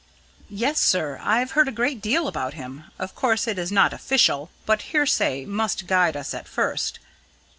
"Yes, sir, I've heard a good deal about him of course it is not official; but hearsay must guide us at first.